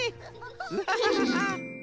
ウハハハハ。